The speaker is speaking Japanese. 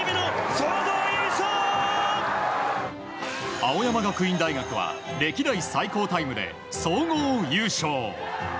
青山学院大学は歴代最高タイムで総合優勝。